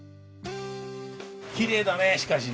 きれいだねしかしね。